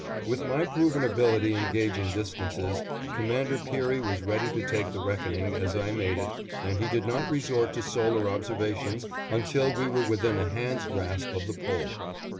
With my proven ability in gauging distances, Commander Peary was ready to take the reckoning as I made it and he did not resort to solar observations until we were within a hand's grasp of the Pole.